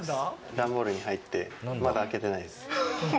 段ボールに入って、まだ開けてないです。